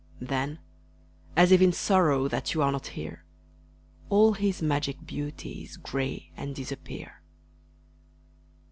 Then, as if in sorrow That you are not here, All his magic beauties Gray and disappear.